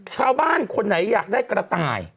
ชาวบ้านคนไหนอยากได้กระต่าย